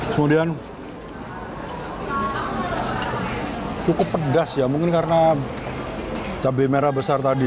kemudian cukup pedas ya mungkin karena cabai merah besar tadi